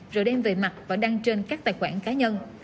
rồi đem về mặt và đăng trên các tài khoản cá nhân